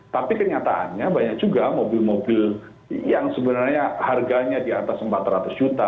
tapi kenyataannya banyak juga mobil mobil yang sebenarnya harganya di atas empat ratus juta